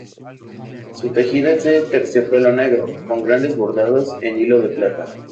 Su tejido es de terciopelo negro, con grandes bordados en hilo de plata.